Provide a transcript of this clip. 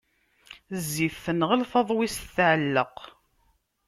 Zzit tenɣel, taḍwist tɛelleq.